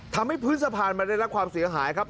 ทำให้พื้นสะพานมันได้รับความเสียหายครับ